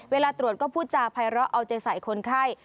เวลาตรวจก็พูดจาภัยเลาะเอาเจสัยคนไข้